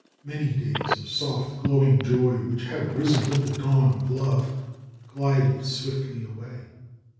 Many days of soft, glowing joy, which had risen with the dawn of love, glided swiftly away.